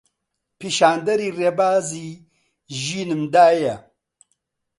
پیشاندەری ڕێبازی ژینم دایە